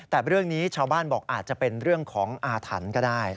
แต่เรื่องนี้ชาวบ้านบอกอาจจะเป็นเรื่องของอาถรรพ์ก็ได้